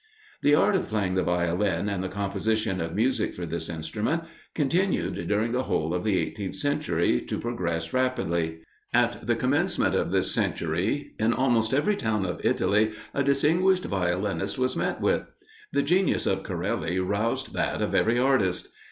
The art of playing the Violin, and the composition of music for this instrument, continued during the whole of the eighteenth century to progress rapidly. At the commencement of this century in almost every town of Italy, a distinguished violinist was met with. The genius of Corelli roused that of every artist.